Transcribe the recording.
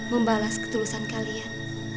membalas ketulusan kalian